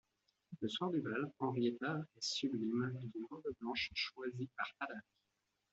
Le soir du bal, Henrietta est sublime dans une robe blanche choisie par Adare.